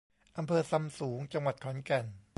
อำเภอซำสูง จังหวัดขอนแก่น